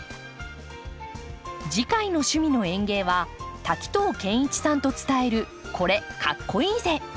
次回の「趣味の園芸」は滝藤賢一さんと伝える「これ、かっこイイぜ！」。